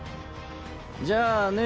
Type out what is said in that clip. じゃあね